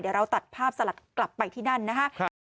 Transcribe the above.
เดี๋ยวเราตัดภาพสลัดกลับไปที่นั่นนะครับ